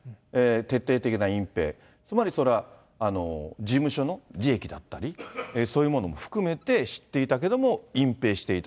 徹底的な隠蔽、つまりそれは事務所の利益だったり、そういうものも含めて知っていたけども隠蔽していた。